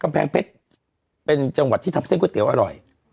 แพงเพชรเป็นจังหวัดที่ทำเส้นก๋วเตี๋ยอร่อย